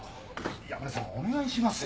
山根さんお願いしますよ。